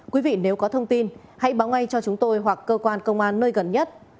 quý vị nếu có thông tin hãy báo ngay cho chúng tôi hoặc cơ quan công an nơi gần nhất